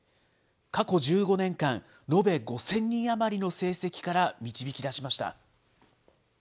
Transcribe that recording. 過去１５年間、延べ５０００人余りの成績から導き出しました。